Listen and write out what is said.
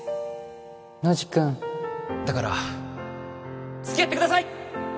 ノジ君だから付き合ってください！